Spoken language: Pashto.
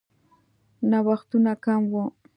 نوښتونه کم وو.